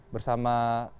bersama para penyelenggara